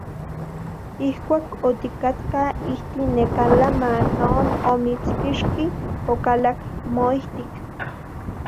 Ijkuak otikatka ijtik neka lama non omitspixki, okalak moijtik.